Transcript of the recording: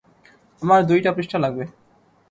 আমার দুইটা পৃষ্ঠা লাগবে।